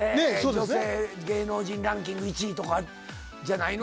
女性芸能人ランキング１位とかじゃないの？